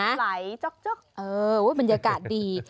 น้ำไหลจ๊อกบรรยากาศดี